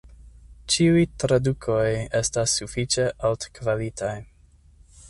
Ĉiuj tradukoj estas sufiĉe altkvalitaj.